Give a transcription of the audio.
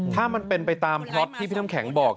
ถ้ามันเป็นไปตามพล็อตที่พี่น้ำแข็งบอก